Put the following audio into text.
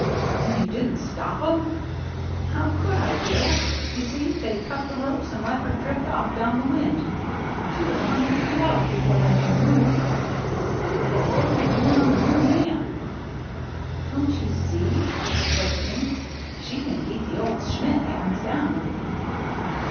" And you didn't stop 'em ?"" How could I, Bill ? You see, they'd cut the ropes and let her drift off down the wind. She was a hundred feet out before they made a move." " But what were they doing on the Merry Anne?*' " Don't you see ?" said Pink ;" she can beat the old Schmidt hands down."